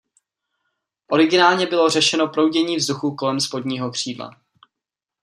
Originálně bylo řešeno proudění vzduchu kolem spodního křídla.